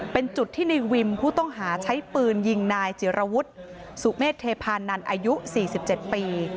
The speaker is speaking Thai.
เป็นจุดที่ในวิมผู้ต้องหาใช้ปืนยิงนายจิรวรรษสุเมธเทพานันต์อายุสี่สิบเจ็บปี